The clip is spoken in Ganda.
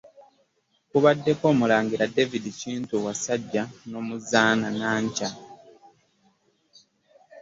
Kubaddeko omulangira David Kintu Wassajja n'Omuzaana Nankya.